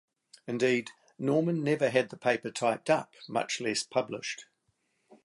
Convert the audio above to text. Indeed, Norman never had the paper typed up, much less published.